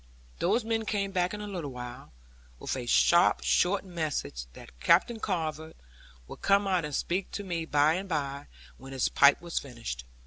Those men came back in a little while, with a sharp short message that Captain Carver would come out and speak to me by and by, when his pipe was finished.